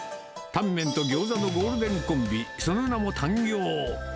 タンメンとギョーザのゴールデンコンビ、その名もタンギョー。